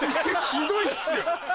ひどいっすよ。